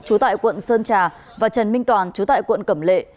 trú tại quận sơn trà và trần minh toàn chú tại quận cẩm lệ